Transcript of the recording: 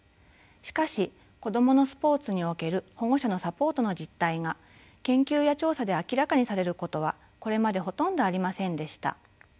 しかし子どものスポーツにおける保護者のサポートの実態が研究や調査で明らかにされることはこれまでほとんどありませんでした。